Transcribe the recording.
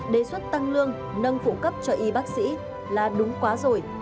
đề xuất tăng lương nâng phụ cấp cho y bác sĩ là đúng quá rồi